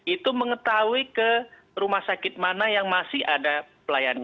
itu mengetahui ke rumah sakit mana yang masih ada pelayanan